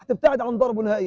saya menjaga mereka